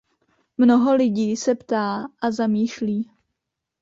Mnoho lidí se ptá a zamýšlí.